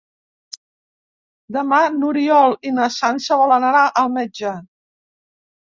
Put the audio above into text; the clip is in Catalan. Demà n'Oriol i na Sança volen anar al metge.